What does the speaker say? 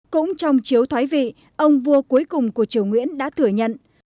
cũng trong chiếu thoái vị ông vua cuối cùng của triều nguyễn đã thừa nhận